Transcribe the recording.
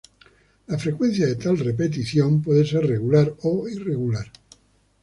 La frecuencia de tal repetición puede ser regular o irregular.